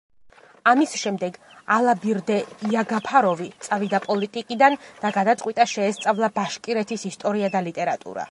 ამის შემდეგ, ალაბირდე იაგაფაროვი წავიდა პოლიტიკიდან და გადაწყვიტა შეესწავლა ბაშკირეთის ისტორია და ლიტერატურა.